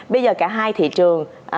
bây giờ cả hai thị trường